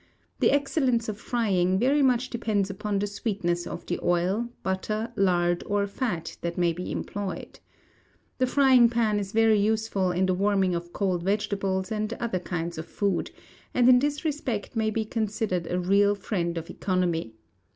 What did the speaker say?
The excellence of frying very much depends upon the sweetness of the oil, butter, lard, or fat that may be employed. The Frying pan is very useful in the warming of cold vegetables and other kinds of food, and in this respect may be considered a real friend of economy.